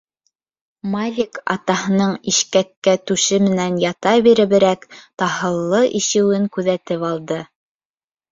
Малик атаһының ишкәккә түше менән ята биреберәк таһыллы ишеүен күҙәтеп алды.